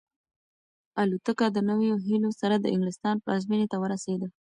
الوتکه د نویو هیلو سره د انګلستان پلازمینې ته ورسېده.